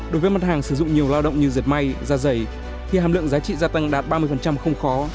đối với mặt hàng sử dụng nhiều lao động như diệt may da dày thì hàm lượng giá trị gia tăng đạt ba mươi không khó